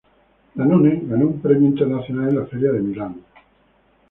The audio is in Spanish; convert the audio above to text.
Danone ganó un premio internacional en la Feria de Milán.